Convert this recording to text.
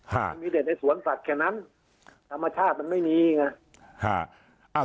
มันมีแต่ในสวนสัตว์แค่นั้นธรรมชาติมันไม่มีไง